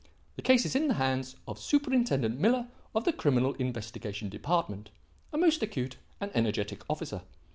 The case is in the hands of Superintendent Miller of the Criminal Investigation Department, a most acute and energetic officer.